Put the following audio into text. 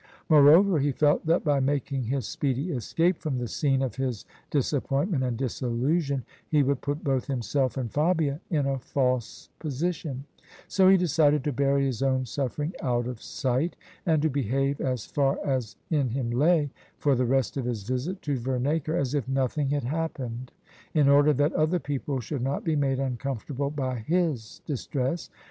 Moreover, he felt that by making his speedy escape from the scene of his disap pointment and disillusion, he would put both himself and Fabia in a false position: so he decided to l^ury his own suffering out of si^t, and to behave — as far as in him lay — for the rest of his visit to Vernacre as if nothing had happened, in order that other people should not be made uncomfortable by his distress.